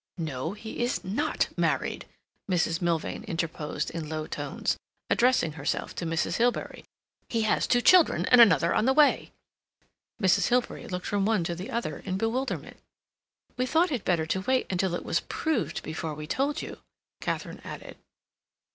"No, he is not married," Mrs. Milvain interposed, in low tones, addressing herself to Mrs. Hilbery. "He has two children, and another on the way." Mrs. Hilbery looked from one to the other in bewilderment. "We thought it better to wait until it was proved before we told you," Katharine added.